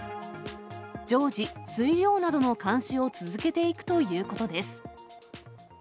常時、水量などの監視を続けていくということです。